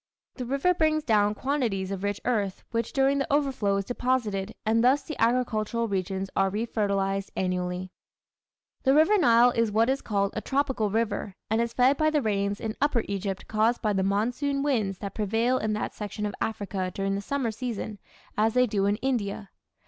The river brings down quantities of rich earth which during the overflow is deposited, and thus the agricultural regions are refertilized annually. The River Nile is what is called a tropical river and is fed by the rains in upper Egypt caused by the monsoon winds that prevail in that section of Africa during the summer season, as they do in India.